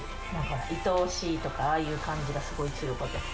いとおしいとか、ああいう感じがすごい強かった。